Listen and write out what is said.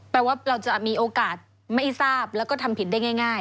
แปลว่าเราจะมีโอกาสไม่ทราบแล้วก็ทำผิดได้ง่าย